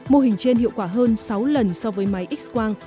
mô hình trên hiệu quả hơn sáu lần so với máy x quang